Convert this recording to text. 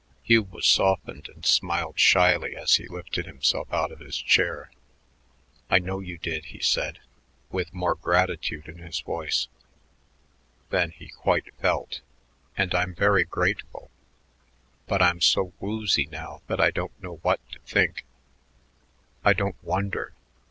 Hugh was softened and smiled shyly as he lifted himself out of his chair. "I know you did," he said with more gratitude in his voice than he quite felt, "and I'm very grateful, but I'm so woozy now that I don't know what to think." "I don't wonder.